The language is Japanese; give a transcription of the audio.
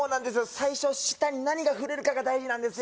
最初舌に何が触れるかが大事なんですよね